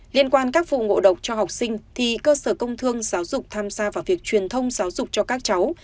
liên quan các vụ ngộ độc cho học sinh thì cơ sở công thương giáo dục tham gia vào việc truyền thông giáo dục cho các cháu